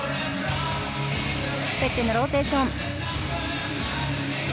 フェッテのローテーション。